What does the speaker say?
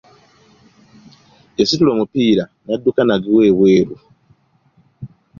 Yasitula omupiira n'adduka nagwo ebweru.